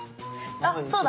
あそうだ。